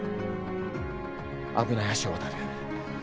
危ない橋を渡る。